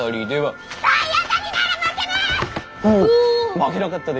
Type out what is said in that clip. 負けなかったで。